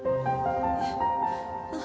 えっ？